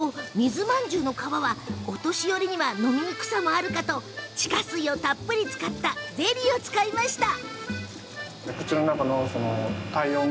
しかし、水まんじゅうの皮はお年寄りには飲みにくさもあるかと地下水をたっぷり使ったゼリーを使ってみました。